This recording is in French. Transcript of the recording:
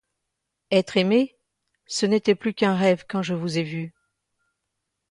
Être aimé, ce n’était plus qu’un rêve quand je vous ai vue.